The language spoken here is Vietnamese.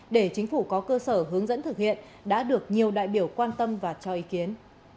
để chính phủ có cơ sở hướng dẫn thực hiện đã được nhiều đại biểu quan tâm và cho ý kiến